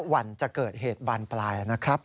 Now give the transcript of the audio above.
วันจะเกิดเหตุบ้านปลาย